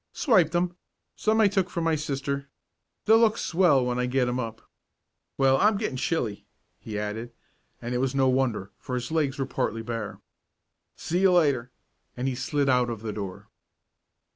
"Swiped 'em some I took from my sister. They'll look swell when I get 'em up. Well, I'm getting chilly!" he added, and it was no wonder, for his legs were partly bare. "See you later!" and he slid out of the door.